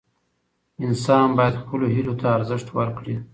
انسان باید خپلو هیلو ته ارزښت ورکړي.